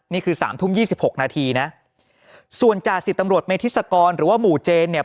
นี่คือสามทุ่มยี่สิบหกนาทีนะส่วนจ่าสิบตำรวจเมธิศกรหรือว่าหมู่เจนเนี่ย